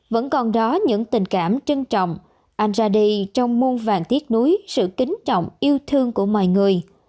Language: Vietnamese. vẫn còn đó những tình cảm trân trọng anh ra đi trong muôn vàng tiết núi sự kính trọng yêu thương của mọi người